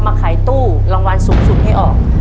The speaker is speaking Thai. มาขายตู้รางวัลสูงสุดให้ออก